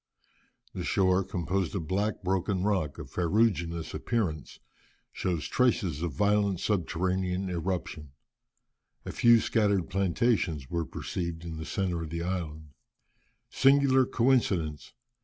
The shore, composed of black broken rock of ferruginous appearance, shows traces of violent subterranean eruption. A few scattered plantations were perceived in the centre of the island. Singular coincidence!